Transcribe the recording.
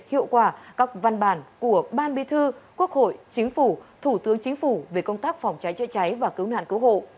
hiệu quả các văn bản của ban bi thư quốc hội chính phủ thủ tướng chính phủ về công tác phòng cháy chữa cháy và cứu nạn cứu hộ